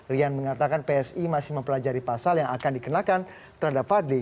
rian mengatakan psi masih mempelajari pasal yang akan dikenakan terhadap fadli